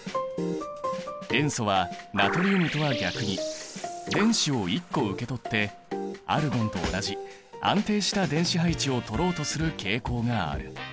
塩素はナトリウムとは逆に電子を１個受け取ってアルゴンと同じ安定した電子配置をとろうとする傾向がある。